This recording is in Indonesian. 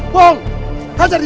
bung hajar dia